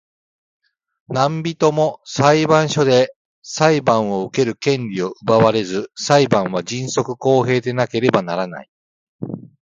何人（なんびと）も裁判所で裁判を受ける権利を奪われず、裁判は迅速公平でなければならない。